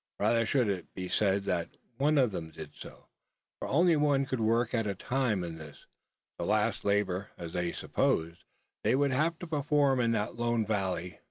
Rather should it be said, that one of them did so: for only one could work at a time in this, the last labour, as they supposed, they would have to perform in that lone valley.